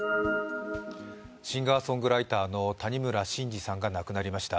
シンガーソングライターの谷村新司さんが亡くなりました。